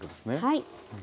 はい。